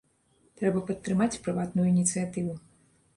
Трэба падтрымаць прыватную ініцыятыву.